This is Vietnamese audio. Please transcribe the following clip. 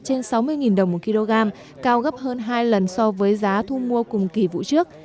trên sáu mươi đồng một kg cao gấp hơn hai lần so với giá thu mua cùng kỳ vụ trước